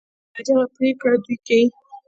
عجبه پرېکړي دوى کيي.